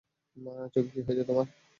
চোখে কী হয়েছে তোমার?